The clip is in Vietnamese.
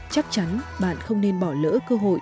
chắc chắn bạn không nên bỏ lỡ cơ hội